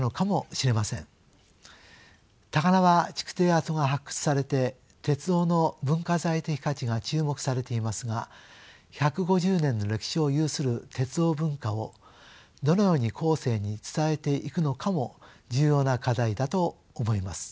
高輪築堤跡が発掘されて鉄道の文化財的価値が注目されていますが１５０年の歴史を有する鉄道文化をどのように後世に伝えていくのかも重要な課題だと思います。